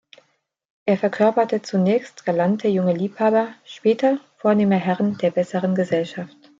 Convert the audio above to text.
Er verkörperte zunächst galante junge Liebhaber, später vornehme Herren der besseren Gesellschaft.